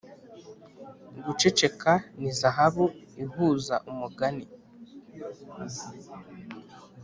guceceka ni zahabu ihuza umugani